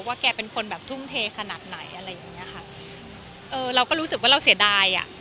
แกเป็นคนแบบทุ่มเทขนาดไหนอะไรอย่างเงี้ยค่ะเออเราก็รู้สึกว่าเราเสียดายอ่ะ